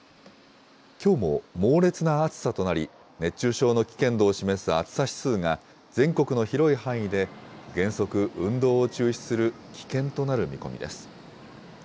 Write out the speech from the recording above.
きょうも、猛烈な暑さとなり、熱中症の危険度を示す暑さ指数が、全国の広い範囲で、原則、運動を中止する危険となる見込みです。